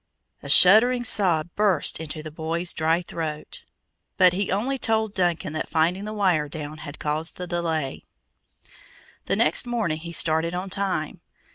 A shuddering sob burst in the boy's dry throat; but he only told Duncan that finding the wire down had caused the delay. The next morning he started on time.